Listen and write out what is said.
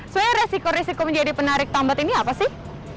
sebenarnya resiko resiko menjadi penarik tambat ini apa sih